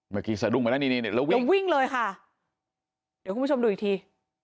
เมื่อกี้สะดุ้งไปได้นิดแล้ววิ่งแล้ววิ่งเลยค่ะเดี๋ยวคุณผู้ชมดูอีกที